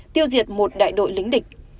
tiêu diệt một đại đội lính địch